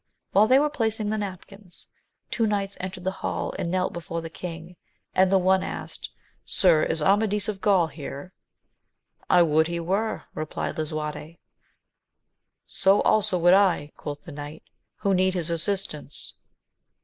While they were placing the napkins, two knights entered the hall and knelt before the king, and the one asked, Sir, is Amadis of Gaul here 1 I would he were, replied Lisuarte. So also would I, quoth the knight, who need his assist ance.